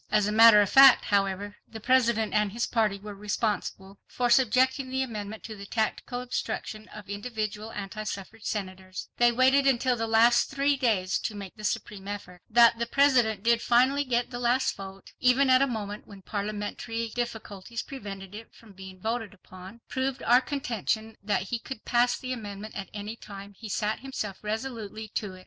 As a matter of fact, however, the President and his party were responsible for subjecting the amendment to the tactical obstruction of individual anti suffrage Senators. They waited until the last three days to make the supreme effort. That the President did finally get the last vote even at a moment when parliamentary difficulties prevented it from being voted upon, proved our contention that he could pass the amendment at any time he set himself resolutely to it.